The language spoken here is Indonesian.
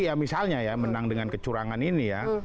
ya misalnya ya menang dengan kecurangan ini ya